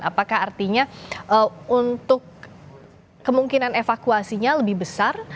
apakah artinya untuk kemungkinan evakuasinya lebih besar